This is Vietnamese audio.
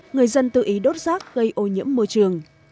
người dân tự ý đốt rác gây ô nhiễm môi trường